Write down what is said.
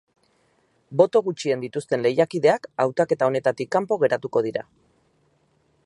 Boto gutxien dituzten lehiakideak hautaketa honetatik kanpo geratuko dira.